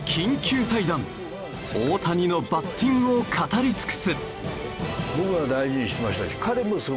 大谷のバッティングを語り尽くす。